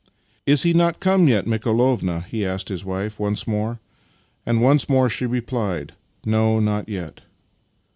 " Is he not come yet, Mikolovna? " he asked his wife once more, and once more she replied, " No, not yet."